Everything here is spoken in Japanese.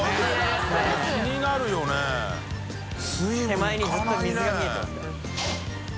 手前にずっと水が見えてますからね。